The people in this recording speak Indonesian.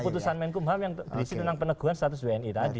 keputusan menkumham yang berisi tentang peneguhan status wni tadi